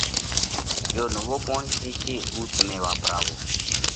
جيو نوو پوڻِي ٿيشي اُو تمي واپراوو۔